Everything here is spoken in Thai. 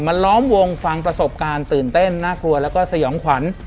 ล้อมวงฟังประสบการณ์ตื่นเต้นน่ากลัวแล้วก็สยองขวัญ